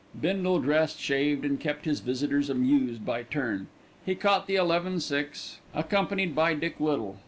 Bindle dressed, shaved, and kept his visitors amused by turn. He caught the 11.6, accompanied by Dick Little.